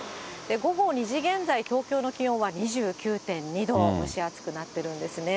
午後２時現在、東京の気温は２９．２度、蒸し暑くなってるんですね。